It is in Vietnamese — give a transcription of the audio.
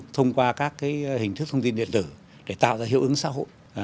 thông qua các hình thức thông tin điện tử để tạo ra hiệu ứng xã hội